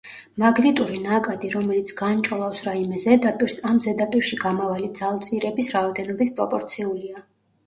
მაგნიტური ნაკადი რომელიც განჭოლავს რაიმე ზედაპირს, ამ ზედაპირში გამავალი ძალწირების რაოდენობის პროპორციულია.